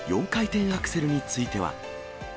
４回転アクセルについては。